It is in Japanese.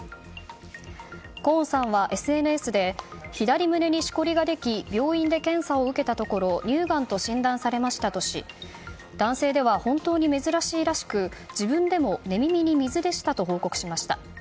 コーンさんはＳＮＳで左胸にしこりができ病院で検査を受けたところ乳がんと診断されましたとし男性では本当に珍しいらしく自分でも寝耳に水でしたと報告しました。